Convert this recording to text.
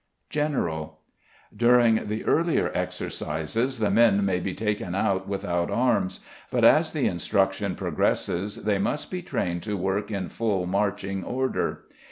General. During the earlier exercises the men may be taken out without arms, but, as the instruction progresses, they must be trained to work in full marching order.